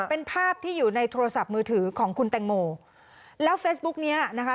เป็นภาพที่อยู่ในโทรศัพท์มือถือของคุณแตงโมแล้วเฟซบุ๊กเนี้ยนะคะ